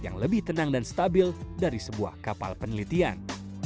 yang lebih tenang dan stabil dari sebuah kapal penelitian